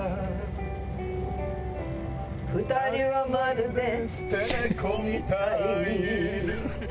「二人はまるで捨て猫みたい」